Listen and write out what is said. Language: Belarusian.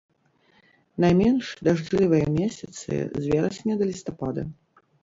Найменш дажджлівыя месяцы з верасня да лістапада.